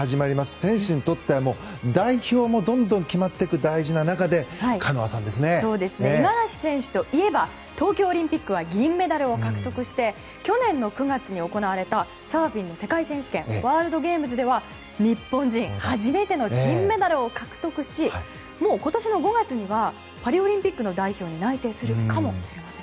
選手にとっては代表もどんどん決まる大事な中五十嵐選手といえば東京オリンピックは銀メダルを獲得して去年の９月に行われたサーフィンの世界選手権ワールドゲームズでは日本人初めての金メダルを獲得し今年５月にはもうパリオリンピックの代表に内定するかもしれません。